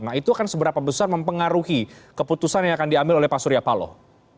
nah itu akan seberapa besar mempengaruhi keputusan yang akan diambil oleh pak surya paloh